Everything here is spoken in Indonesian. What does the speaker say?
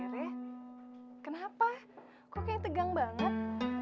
mbak rere kenapa kok kayak tegang banget